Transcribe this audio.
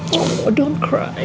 oh jangan menangis